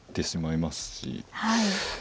はい。